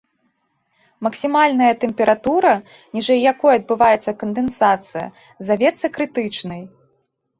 Максімальная тэмпература, ніжэй якой адбываецца кандэнсацыя, завецца крытычнай.